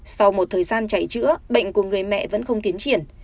sau một thời gian chạy chữa bệnh của người mẹ vẫn không tiến triển